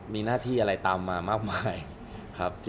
มีหน้าที่อะไรตามมามากมายครับ